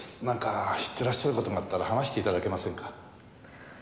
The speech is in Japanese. なんか知ってらっしゃる事があったら話して頂けませんか？